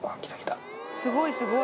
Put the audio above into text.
すごいすごい。